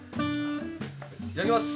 いただきます。